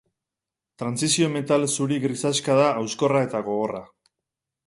Trantsizio-metal zuri grisaxka da, hauskorra eta gogorra.